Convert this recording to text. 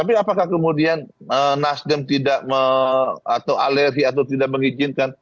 tapi apakah kemudian nasdem tidak atau alergi atau tidak mengizinkan